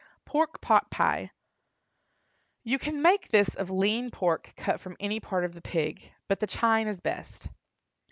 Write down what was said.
PORK POT PIE. You can make this of lean pork cut from any part of the pig, but the chine is best.